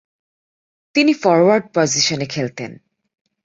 তিনি ফরোয়ার্ড পজিশনে খেলতেন।